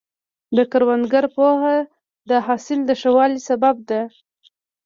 د کروندګر پوهه د حاصل د ښه والي سبب ده.